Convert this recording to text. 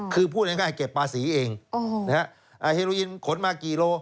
คือพูดง่ายง่ายเก็บปลาสีเองอ๋อนะฮะอ่าเฮโลอินขนมากี่โล